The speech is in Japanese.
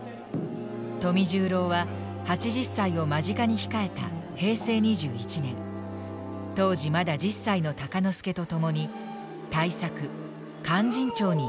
富十郎は８０歳を間近に控えた平成２１年当時まだ１０歳の鷹之資と共に大作「勧進帳」に挑みました。